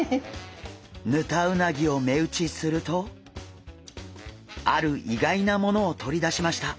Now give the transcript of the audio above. ヌタウナギを目打ちするとあるいがいなものをとり出しました。